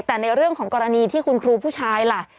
แต่ในเรื่องของกรณีที่คุณครูผู้ชายล่ะ